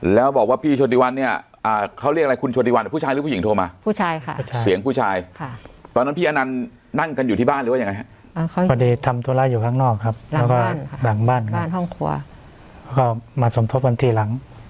แล้วบอกว่าที่ชวดีวันเนี่ยเขาเรียกอะไรคุณชวดีวันผู้ชายหรือผู้หญิงถูกโยงมา